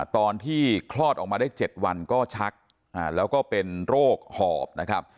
ตอนที่คลอดออกมาได้๗วันก็ชักแล้วก็เป็นโรคหอบนะครับ